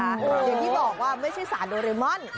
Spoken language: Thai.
อย่างที่บอกว่าไม่ใช่สารโดเรมอน